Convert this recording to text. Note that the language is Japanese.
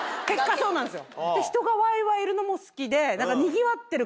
そうなんですか。